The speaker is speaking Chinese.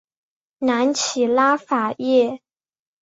南起拉法叶。